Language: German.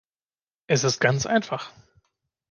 Es ist ganz einfach.